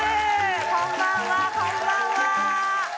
こんばんは、こんばんは！